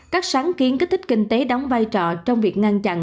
các sáng kiến kích thích kinh tế đóng vai trò trong việc ngăn chặn